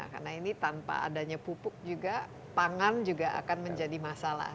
karena ini tanpa adanya pupuk juga pangan juga akan menjadi masalah